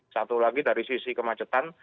satu lagi dari sisi kemacetan